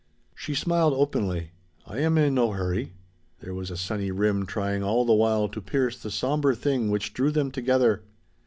She smiled openly. "I am in no hurry." There was a sunny rim trying all the while to pierce the somber thing which drew them together.